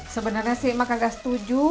sebenernya si emak kagak setuju